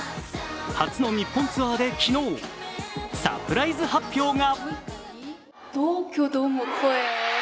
初の日本ツアーで昨日サプライズ発表が。